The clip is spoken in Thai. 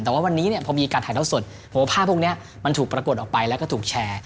แต่ว่าวันนี้เนี่ยพอมีการถ่ายเท้าสดโหภาพพวกนี้มันถูกปรากฏออกไปแล้วก็ถูกแชร์